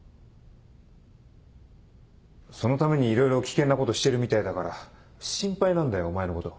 そのためにいろいろ危険なことしてるみたいだから心配なんだよお前のこと。